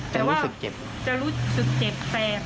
จะรู้สึกเจ็บจะรู้สึกเจ็บแทบ